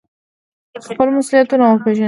خپل مسوولیت وپیژنئ